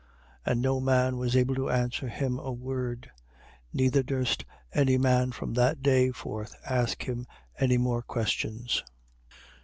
22:46. And no man was able to answer him a word: neither durst any man from that day forth ask him any more questions.